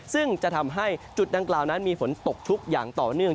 ซึ่งจะทำให้จุดดังกล่าวนั้นมีฝนตกชุกอย่างต่อเนื่อง